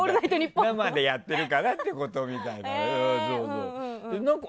生でやってるからってことみたい。